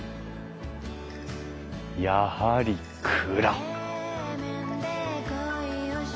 やはり蔵！